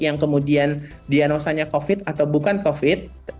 yang kemudian diagnosanya covid atau bukan covid